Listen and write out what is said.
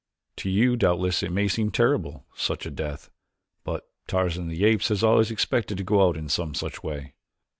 "To you doubtless it may seem terrible such a death; but Tarzan of the Apes has always expected to go out in some such way.